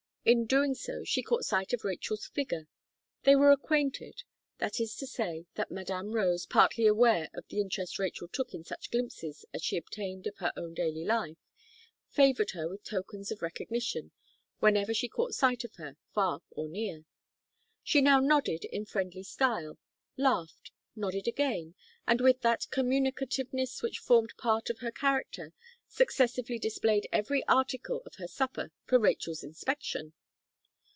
In doing so, she caught sight of Rachel's figure; they were acquainted that is to say, that Madame Rose, partly aware of the interest Rachel took in such glimpses as she obtained of her own daily life, favoured her with tokens of recognition, whenever she caught sight of her, far or near. She now nodded in friendly style, laughed, nodded again, and with that communicativeness which formed part of her character, successively displayed every article of her supper for Rachel's inspection.